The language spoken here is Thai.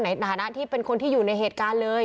ในฐานะที่เป็นคนที่อยู่ในเหตุการณ์เลย